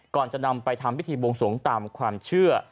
ก่อนจะนำไปทำพิธีบวงสวงตามความเชื่อ